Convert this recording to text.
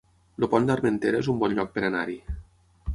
El Pont d'Armentera es un bon lloc per anar-hi